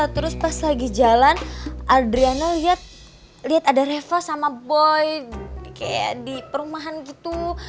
terus pas lagi jalan adriana lihat ada reva sama boy kayak di perumahan gitu